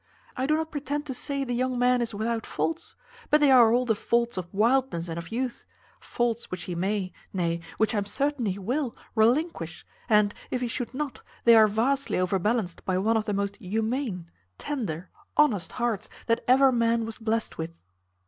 I do not pretend to say the young man is without faults; but they are all the faults of wildness and of youth; faults which he may, nay, which I am certain he will, relinquish, and, if he should not, they are vastly overbalanced by one of the most humane, tender, honest hearts that ever man was blest with."